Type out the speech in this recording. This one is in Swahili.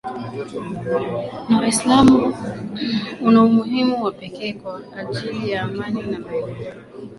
na Waislamu una umuhimu wa pekee kwa ajili ya amani na maendeleo